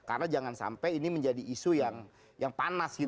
karena jangan sampai ini menjadi isu yang panas gitu